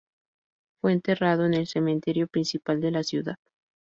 Fue enterrado en el cementerio principal de la ciudad.